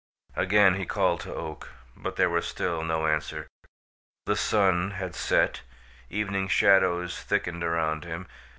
Again he called to Oak, but there was still no answer. The sun had set, evening shadows thickened around him.